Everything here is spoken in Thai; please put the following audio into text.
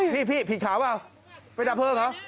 พี่ผิดข่าวว่าเป็นดับเพิงหรือ